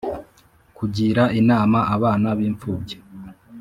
kugira inama abana bi imfubyi